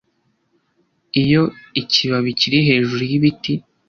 iyo ikibabi kiri hejuru yibiti